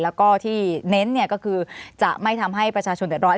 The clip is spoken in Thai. แล้วก็ที่เน้นก็คือจะไม่ทำให้ประชาชนเดือดร้อน